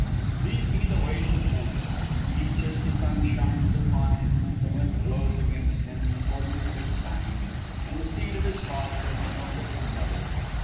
These be the ways of men, each as the sun shines upon him and the wind blows against him, according to his kind, and the seed of his father, and the milk of his mother.